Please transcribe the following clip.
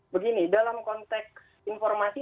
begini dalam konteks informasi